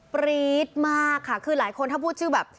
ปรี๊ดมากค่ะคือหลายคนถ้าพูดชื่อแบบ